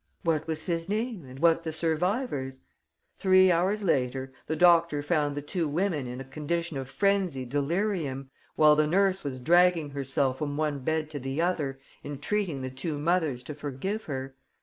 What was his name and what the survivor's?... Three hours later, the doctor found the two women in a condition of frenzied delirium, while the nurse was dragging herself from one bed to the other, entreating the two mothers to forgive her.